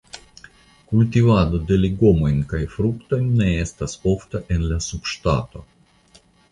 Kultuvado de legomojn kaj fruktojn ne estas ofta en la subŝtato.